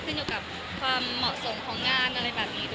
ขึ้นอยู่กับความเหมาะสมของงานอะไรแบบนี้